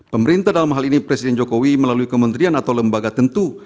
pemerintah dalam hal ini presiden jokowi melalui kementerian atau lembaga tentu